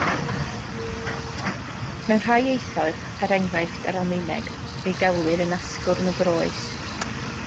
Mewn rhai ieithoedd, er enghraifft yr Almaeneg, fe'i gelwir yn asgwrn y groes.